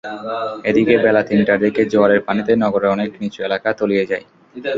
এদিকে বেলা তিনটার দিকে জোয়ারের পানিতে নগরের অনেক নিচু এলাকা তলিয়ে যায়।